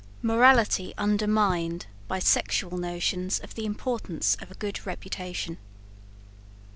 MORALITY UNDERMINED BY SEXUAL NOTIONS OF THE IMPORTANCE OF A GOOD REPUTATION.